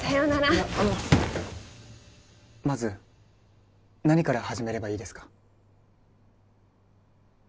いやあのまず何から始めればいいですか？